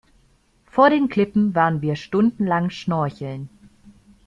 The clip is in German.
Vor den Klippen waren wir stundenlang schnorcheln.